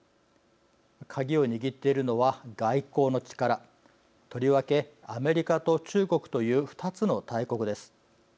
カギを握っているのは外交の力とりわけ、アメリカと中国という２つの大国です。